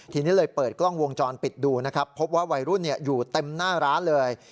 ทีนี้เลยเปิดกล้องวงจรปิดดูนะครับพบว่าวัยรุ่นอยู่เต็มหน้าร้านเลย